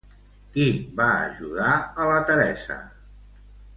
Qui va ajudar a la Teresa?